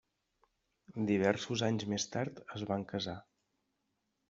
Diversos anys més tard es van casar.